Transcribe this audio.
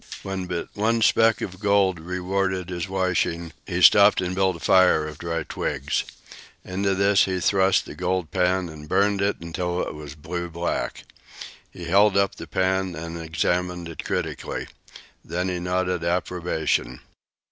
When but one speck of gold rewarded his washing, he stopped and built a fire of dry twigs. Into this he thrust the gold pan and burned it till it was blue black. He held up the pan and examined it critically. Then he nodded approbation.